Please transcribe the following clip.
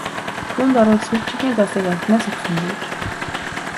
Түүнд орвол сүүлчийнхээ зоосыг архинаас өгсөн нь дээр!